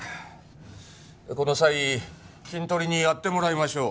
この際キントリにやってもらいましょう。